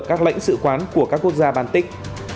các lãnh sự quán của các quốc gia bàn tích